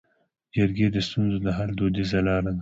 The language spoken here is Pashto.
جرګې د ستونزو د حل دودیزه لاره ده